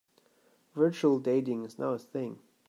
Virtual dating is now a thing.